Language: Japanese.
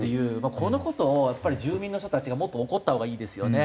この事をやっぱり住民の人たちがもっと怒ったほうがいいですよね。